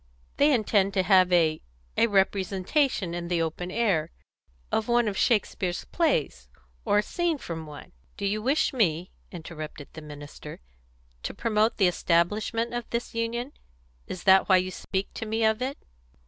"They intend to have a a representation, in the open air, of one of Shakespeare's plays, or scenes from one " "Do you wish me," interrupted the minister, "to promote the establishment of this union? Is that why you speak to me of it?"